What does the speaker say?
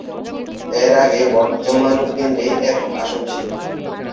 এর আগে বর্ধমান কেন্দ্রে একক আসন ছিল।